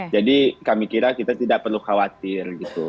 jadi kami kira kita tidak perlu khawatir gitu